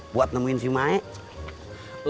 buat nemuin si mae